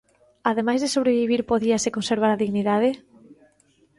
Ademais de sobrevivir podíase conservar a dignidade?